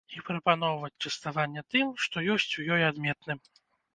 І прапаноўваць частаванне тым, што ёсць у ёй адметным.